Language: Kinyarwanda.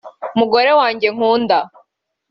Mugore wanjye nkunda